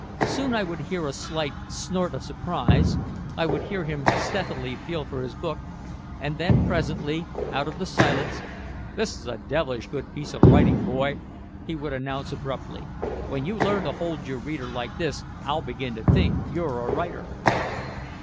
Soon I would hear a slight snort of surprise, I would hear him stealthily feel for his book, and then presently out of the silence "This is a devilish good piece of writing, boy," he would announce abruptly. "When you learn to hold your reader like this I'll begin to think you're a writer."